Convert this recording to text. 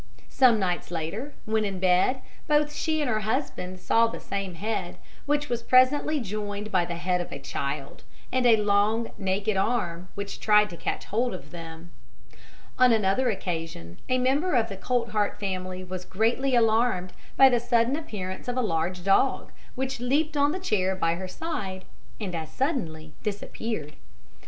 Some nights later, when in bed, both she and her husband saw the same head, which was presently joined by the head of a child, and a long, naked arm, which tried to catch hold of them. On another occasion, a member of the Coltheart family was greatly alarmed by the sudden appearance of a large dog, which leaped on the chair by her side, and as suddenly disappeared.